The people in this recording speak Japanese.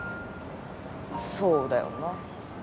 そうだよな。